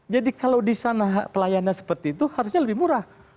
jadi kalau di sana pelayanan seperti itu harusnya lebih murah